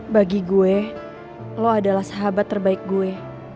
bagi gue lo adalah sahabat terbaik gue